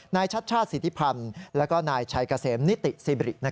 นายชัชชาศสิทธิพันธ์แล้วก็นายชายกาเสมนิติซีเบรี